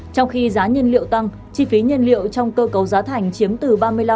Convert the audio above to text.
trong khi giá nhân liệu tăng chi phí nhân liệu trong cơ cấu giá thành chiếm từ ba mươi năm bốn mươi năm